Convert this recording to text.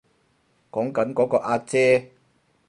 講緊嗰個阿姐